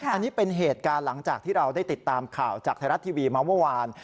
อันนี้เป็นเหตุการณ์หลังจากที่เราได้ติดตามข่าวจากไทยรัฐทีวีมาเมื่อวาน